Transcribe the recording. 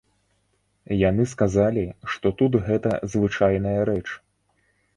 Яны сказалі, што тут гэта звычайная рэч.